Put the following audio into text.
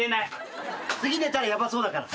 次寝たらヤバそうだから。